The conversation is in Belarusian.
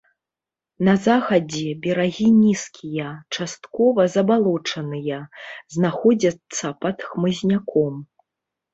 На захадзе берагі нізкія, часткова забалочаныя, знаходзяцца пад хмызняком.